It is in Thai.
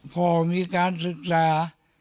พอมีการศึกษา